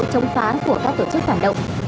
chống phá của các tổ chức phản động